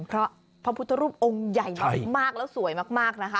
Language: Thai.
เพราะพระพุทธรูปองค์ใหญ่มากแล้วสวยมากนะคะ